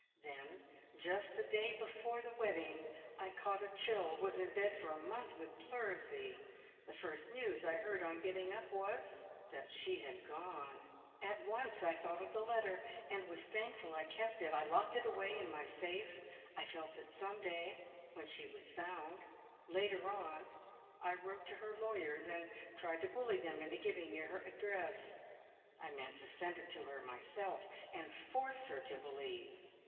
Then, just the day before the wedding, I caught a chill, was in bed for a month with pleurisy. The first news I heard on getting up was that she had gone! At once I thought of the letter, and was thankful I had kept it; I locked it away in my safe. I felt that some day, when she was found Later on I wrote to her lawyers, and tried to bully them into giving me her address. I meant to send it to her myself, and force her to believe.